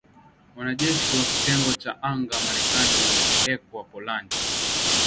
Wanajeshi wa kitengo cha anga Marekani wamepelekwa Poland